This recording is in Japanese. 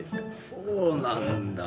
そうなんだ。